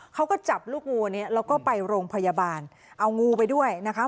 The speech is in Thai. เขาก็จับลูกงูนี้แล้วก็ไปโรงพยาบาลเอางูไปด้วยนะคะ